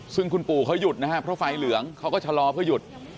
ซึ่งคุณปู่เขาหยุดนะครับเพราะไฟเหลืองเขาก็ชะลอเพื่อหยุด